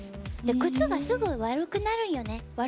靴が、すぐ悪くなるんよね。